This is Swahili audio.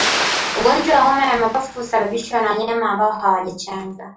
Ugonjwa wa homa ya mapafu husababishwa na wanyama ambao hawajachanjwa